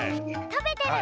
食べてる！